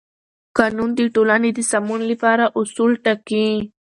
قانون د ټولنې د سمون لپاره اصول ټاکي.